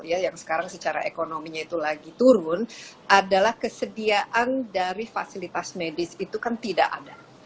yang sekarang secara ekonominya itu lagi turun adalah kesediaan dari fasilitas medis itu kan tidak ada